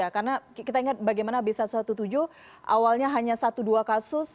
karena kita ingat bagaimana b satu ratus tujuh belas awalnya hanya satu dua kasus